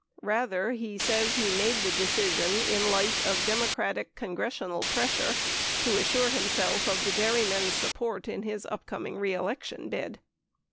Rather, he says he made the decision in light of Democratic congressional pressure, to assure him self of the dairymen's support in his upcoming reelection bid.